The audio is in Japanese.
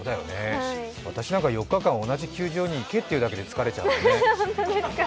私なんか４日間同じ球場に行けというだけで疲れちゃうもんね。